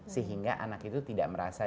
sehingga anak itu tidak merasa